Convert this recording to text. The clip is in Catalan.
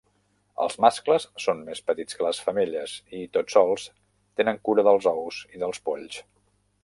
Els mascles són més petits que les femelles i, tot sols, tenen cura dels ous i dels polls.